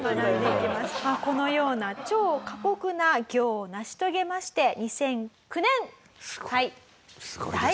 このような超過酷な行を成し遂げまして２００９年はい。